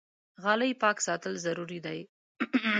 غالۍ پاک ساتل ضروري دي.